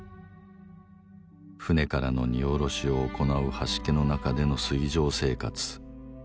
船からの荷下ろしを行うはしけの中での水上生活。